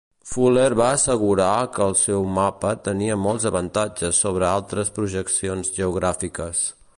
Fuller va assegurar que el seu mapa tenia molts avantatges sobre altres projeccions geogràfiques.